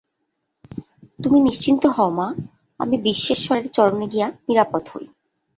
তুমি নিশ্চিন্ত হও মা, আমি বিশ্বেশ্বরের চরণে গিয়া নিরাপদ হই।